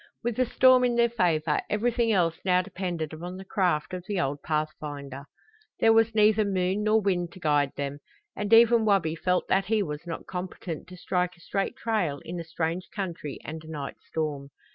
With the storm in their favor everything else now depended upon the craft of the old pathfinder. There was neither moon nor wind to guide them, and even Wabi felt that he was not competent to strike a straight trail in a strange country and a night storm.